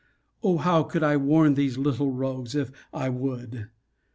O how I could warn these little rogues, if I would!